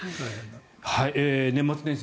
年末年始